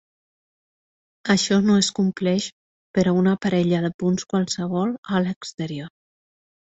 Això no es compleix per a una parella de punts qualssevol a l'exterior.